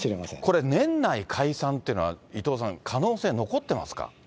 これ、年内解散っていうのは、伊藤さん、可能性残ってますか。